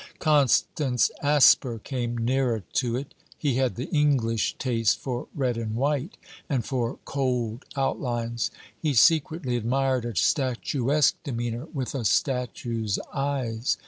Constance Asper came nearer to it. He had the English taste for red and white, and for cold outlines: he secretly admired a statuesque demeanour with a statue's eyes.